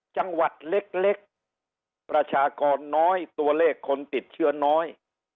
จังหวัดเล็กประชากรน้อยตัวเลขคนติดเชื้อน้อย